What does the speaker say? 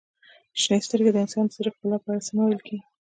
• شنې سترګې د انسان د زړه ښکلا په اړه څه نه ویل کیږي.